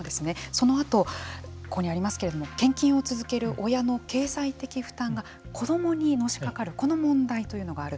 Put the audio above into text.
そのあと、ここにありますけれども献金を続ける親の経済的負担が子どもにのしかかるこの問題というのがある。